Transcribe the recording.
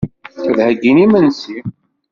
Ad d-heyyin imensi.